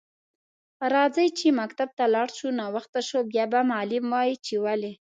راځه چی مکتب ته لاړ شو ناوخته شو بیا به معلم وایی چی ولی